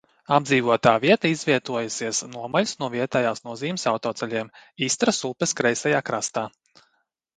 Apdzīvotā vieta izvietojusies nomaļus no vietējas nozīmes autoceļiem, Istras upes kreisajā krastā.